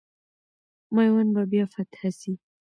میوند به بیا فتح سي.